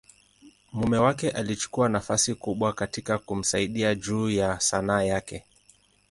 mume wake alichukua nafasi kubwa katika kumsaidia juu ya Sanaa yake.